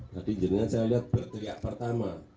tadi jernia saya lihat berteriak pertama